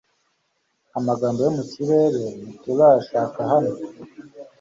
Amagambo yo mu kirere ntituyashaka hano